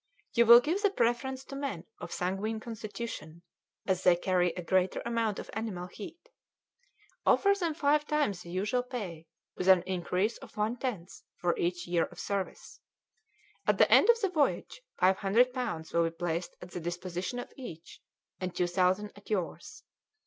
You will give the preference to men of a sanguine constitution, as they carry a greater amount of animal heat. Offer them five times the usual pay, with an increase of one tenth for each year of service. At the end of the voyage five hundred pounds will be placed at the disposition of each, and two thousand at yours.